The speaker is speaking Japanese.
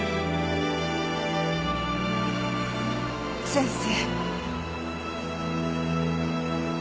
先生？